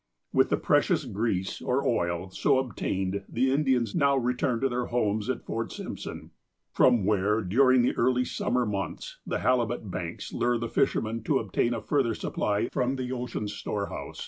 "With the precious grease, or oil, so obtained, the In dians now return to their homes at Fort Simpson, from where, during the early summer months, the halibut banks lure the fishermen to obtain a further supply from the ocean's storehouse.